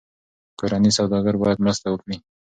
کورني سوداګر باید مرسته وکړي.